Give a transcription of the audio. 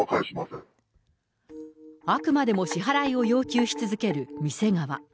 あくまでも支払いを要求し続